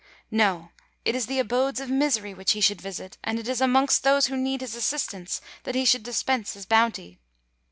No—it is the abodes of misery which he should visit; and it is amongst those who need his assistance that he should dispense his bounty.